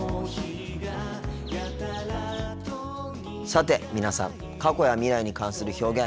さて皆さん過去や未来に関する表現